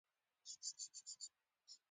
هیله ده چې نن ټول افغانان